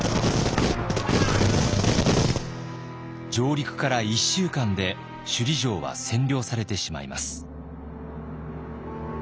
上陸から１週間で首里城は占領されてしまいます。